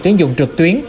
tuyến dụng trực tuyến